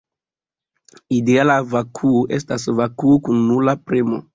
Ideala vakuo estas vakuo kun nula premo.